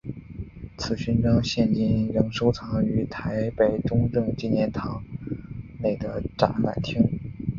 此勋章现今仍收藏于台北中正纪念堂内的展览厅。